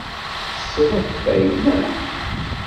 Tettesseḍ akeffay, naɣ?